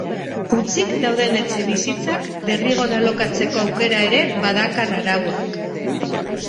Hutsik dauden etxebizitzak derrigor alokatzeko aukera ere badakar arauak.